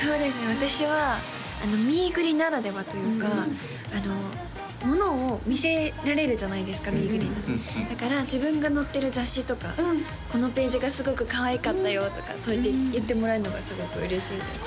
私はミーグリならではというか物を見せられるじゃないですかミーグリだから自分が載ってる雑誌とか「このページがすごくかわいかったよ」とかそういって言ってもらえるのがすごく嬉しいです